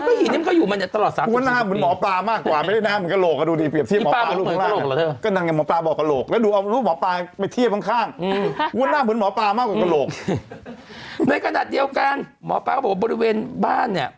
นี่นี่นี่นี่เห็นไหมล่ะไหน